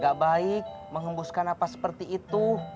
gak baik menghunguskan napas seperti itu